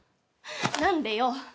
何でよ？